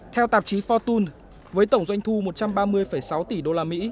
theo tạp chí fortune với tổng doanh thu một trăm ba mươi sáu tỷ usd